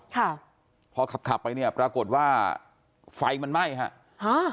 ค่ะพอขับขับไปเนี่ยปรากฏว่าไฟมันไหม้ฮะฮะ